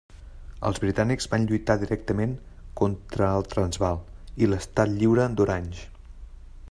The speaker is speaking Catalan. Els britànics van lluitar directament contra el Transvaal i l'Estat Lliure d'Orange.